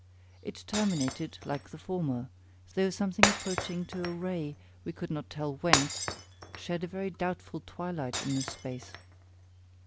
It terminated like the former; though something approaching to a ray, we could not tell whence, shed a very doubtful twilight in the space.